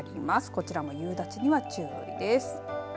こちらも夕立には注意です。